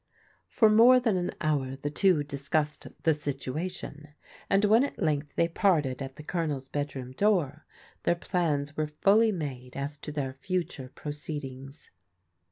For more than an hour the two discussed the situation, and when at length they parted at the Colonel's bedroom door, their plans were fully made as to their future pro ceedings.